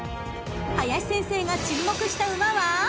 ［林先生が注目した馬は］